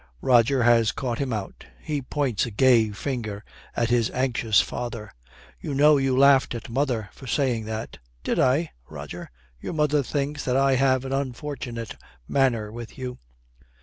Roger has caught him out. He points a gay finger at his anxious father. 'You know you laughed at mother for saying that!' 'Did I? Roger, your mother thinks that I have an unfortunate manner with you.'